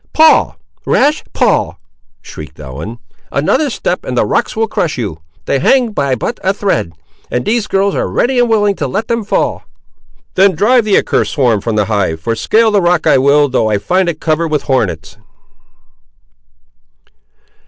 "Paul! rash Paul!" shrieked Ellen; "another step and the rocks will crush you! they hang by but a thread, and these girls are ready and willing to let them fall!" "Then drive the accursed swarm from the hive; for scale the rock I will, though I find it covered with hornets."